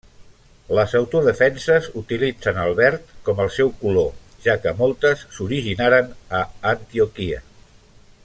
Les autodefenses utilitzen el verd com el seu color, ja que moltes s'originaren a Antioquia.